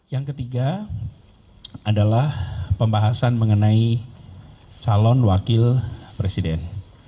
yang ketiga adalah pembahasan mengenai calon wakil presiden